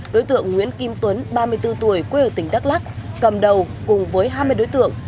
đối tượng nguyễn kim tuấn ba mươi bốn tuổi quê ở tỉnh đắk lắc cầm đầu cùng với hai mươi đối tượng